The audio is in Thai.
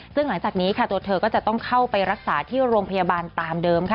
ซึ่งหลังจากนี้ค่ะตัวเธอก็จะต้องเข้าไปรักษาที่โรงพยาบาลตามเดิมค่ะ